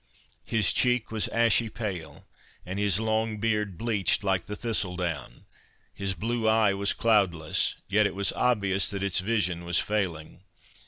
His cheek was ashy pale, and his long beard bleached like the thistle down; his blue eye was cloudless, yet it was obvious that its vision was failing.